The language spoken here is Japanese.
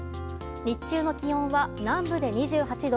日中の気温は南部で２８度。